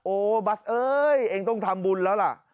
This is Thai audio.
โอ้บัสเอ้ยเองต้องทำบุญแล้วล่ะ